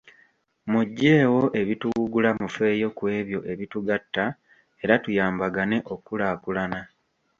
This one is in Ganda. Muggyeewo ebituwugula mufeeyo ku ebyo ebitugatta era tuyambagane okulaakulana.